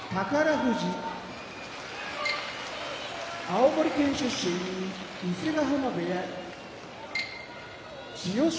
富士青森県出身伊勢ヶ濱部屋千代翔